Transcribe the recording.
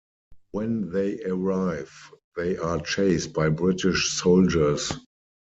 When they arrive, they are chased by British soldiers.